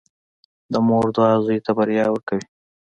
• د مور دعا زوی ته بریا ورکوي.